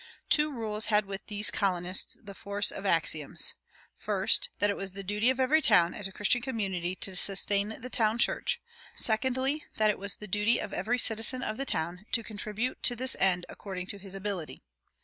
Two rules had with these colonists the force of axioms: first, that it was the duty of every town, as a Christian community, to sustain the town church; secondly, that it was the duty of every citizen of the town to contribute to this end according to his ability.